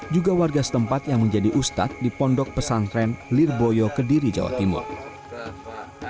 juga warga setempat yang menjadi ustad di pondok pesantren lirboyo kediri jawa timur